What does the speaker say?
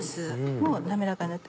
もう滑らかになって。